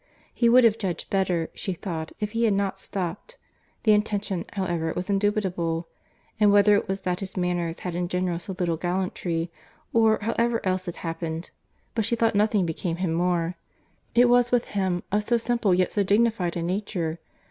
—He would have judged better, she thought, if he had not stopped.—The intention, however, was indubitable; and whether it was that his manners had in general so little gallantry, or however else it happened, but she thought nothing became him more.—It was with him, of so simple, yet so dignified a nature.